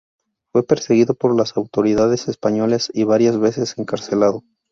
Fue perseguido por las autoridades españolas y varias veces encarcelado.